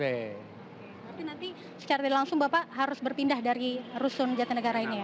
berarti nanti secara langsung bapak harus berpindah dari rusun jatinegara ini ya